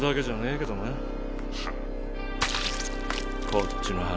こっちの話。